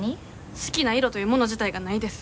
好きな色というもの自体がないです。